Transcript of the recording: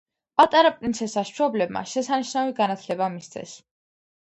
პატარა პრინცესას მშობლებმა შესანიშნავი განათლება მისცეს.